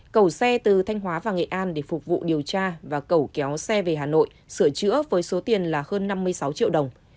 cầu xe từ thanh hóa vào nghệ an để phục vụ điều tra và cầu kéo xe về hà nội sửa chữa với số tiền là hơn năm mươi sáu triệu đồng